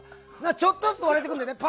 ちょっとずつ割れてくんだよね。